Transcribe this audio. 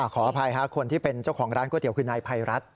ขออภัยคนที่เป็นเจ้าของร้านก๋วยเตี๋ยคือนายภัยรัฐ